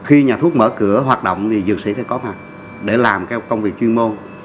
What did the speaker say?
khi nhà thuốc mở cửa hoạt động thì dược sĩ sẽ có mặt để làm các công việc chuyên môn